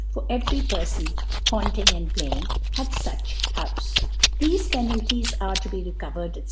for every Perfon haunt* jng/and playing at fuch Houfe. Thefe Penalties to be recovered,, (^c.